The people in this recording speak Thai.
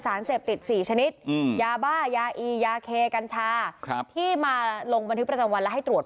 สารเสพติด๔ชนิดยาบ้ายาอียาเคกัญชาที่มาลงบันทึกประจำวันและให้ตรวจ